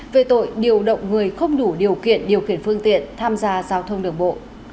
về tội điều động người không đủ điều kiện điều khiển phương tiện tham gia giao thông đường bộ